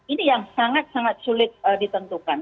ini yang sangat sangat sulit ditentukan